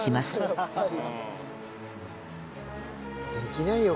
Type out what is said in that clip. できないよ